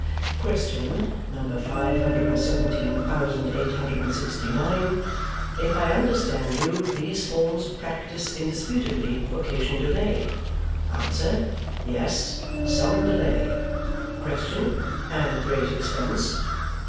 "Question (number five hundred and seventeen thousand eight hundred and sixty nine): If I understand you, these forms of practice indisputably occasion delay? Answer: Yes, some delay. Question: And great expense?